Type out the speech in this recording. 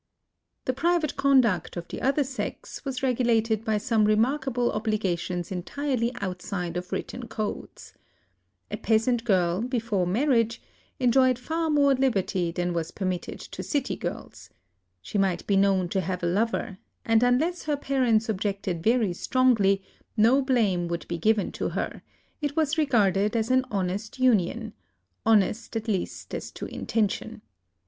The private conduct of the other sex was regulated by some remarkable obligations entirely outside of written codes. A peasant girl, before marriage, enjoyed far more liberty 14 A LIVING GOD than was permitted to city girls. She might be known to have a lover; and unless her parents objected very strongly, no blame would be given to her : it was regarded as an honest union, — honest, at least, as to inten tion.